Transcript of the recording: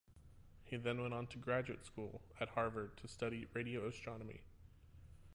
He then went on to graduate school at Harvard to study radio astronomy.